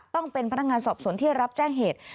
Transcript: ต้องเป็นพนักงานสอบสวนที่รับแจ้งเหตุ